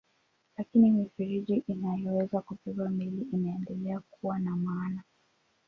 Lakini mifereji inayoweza kubeba meli inaendelea kuwa na maana.